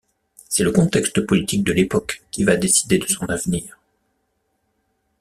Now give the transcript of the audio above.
C'est le contexte politique de l'époque qui va décider de son avenir.